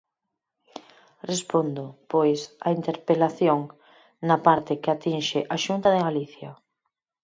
Respondo, pois, á interpelación na parte que atinxe á Xunta de Galicia.